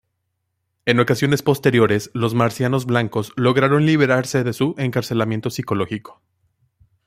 En ocasiones posteriores, los marcianos blancos lograron liberarse de su encarcelamiento psicológico.